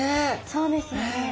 そうですね。